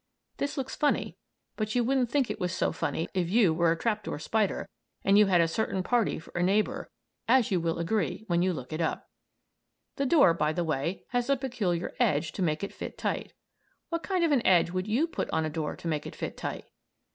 (This looks funny, but you wouldn't think it was so funny if you were a trap door spider and you had a certain party for a neighbor, as you will agree when you look it up.) The door, by the way, has a peculiar edge to make it fit tight. What kind of an edge would you put on a door to make it fit tight?